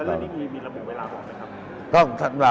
แล้วนี่คือมีระบุเวลาออกไหมครับ